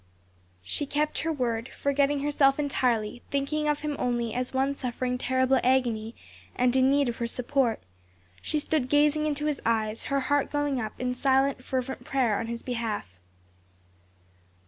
She kept her word; forgetting herself entirely, thinking of him only as one suffering terrible agony and in need of her support, she stood gazing into his eyes, her heart going up in silent, fervent prayer on his behalf.